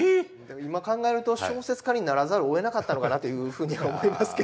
今考えると小説家にならざるをえなかったのかなというふうには思いますけれども。